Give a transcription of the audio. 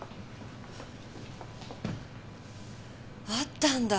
あったんだ。